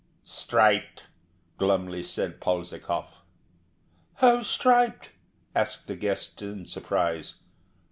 "Striped," glumly said Polzikov. "How striped?" asked the guests in surprise.